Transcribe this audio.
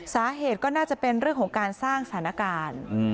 สาเหตุก็น่าจะเป็นเรื่องของการสร้างสถานการณ์